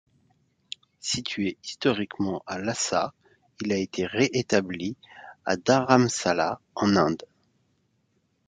Situé historiquement à Lhassa, il a été réétabli à Dharamsala en Inde.